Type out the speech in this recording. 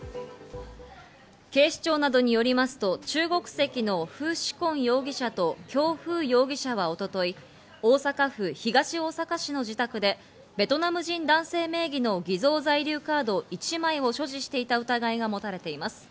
警視庁などによりますと、中国籍のフ・シコン容疑者とキョウ・フウ容疑者は一昨日、大阪府東大阪市の自宅でベトナム人男性名義の偽造在留カードを１枚所持していた疑いが持たれています。